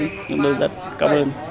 chúng tôi rất cảm ơn